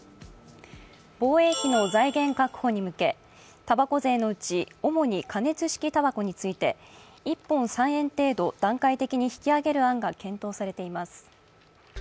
防衛費の財源確保に向けたばこ税のうち主に加熱式たばこについて１本３円程度段階的に引き上げる案が検討されています。